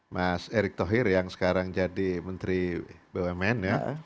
mas erick thohir yang sekarang jadi menteri bumn ya